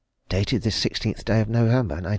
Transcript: Dated this sixteenth day of November, 1906.